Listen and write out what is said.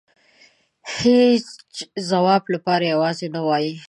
هيچ ځواب لپاره يوازې نه مه وايئ .